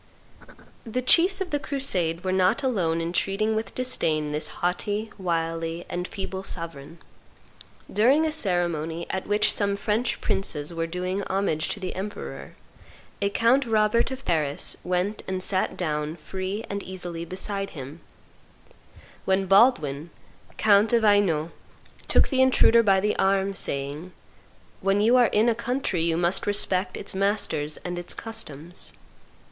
The chiefs of the crusade were not alone in treating with disdain this haughty, wily, and feeble sovereign. During a ceremony at which some French princes were doing homage to the emperor, a Count Robert of Paris went and sat down free and easily beside him; when Baldwin, count of Hainault, took the intruder by the arm, saying, "When you are in a country you must respect its masters and its customs."